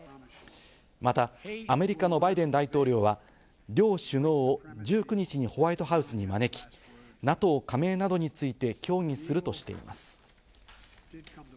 また、アメリカのバイデン大統領は両首脳を１９日にホワイトハウスに招き、ＮＡＴＯ加盟などについて協議するとしています。